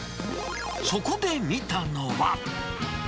そこで見たのは。